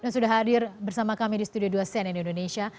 sudah hadir bersama kami di studio dua cnn indonesia